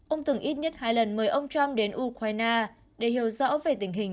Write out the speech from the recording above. ông từng ít nhất hai lần mời ông trump đến ukraine để hiểu rõ về tình hình